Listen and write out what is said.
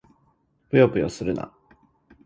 ぷよぷよするな！